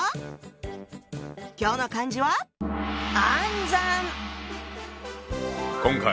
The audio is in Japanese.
今日の漢字は「暗算」！